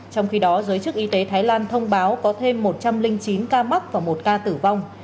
trong khi đó giới chức y tế thái lan thông báo có thêm một trăm linh chín ca mắc và một ca tử vong